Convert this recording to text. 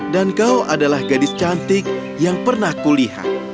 dan kau adalah gadis cantik yang pernah kulihat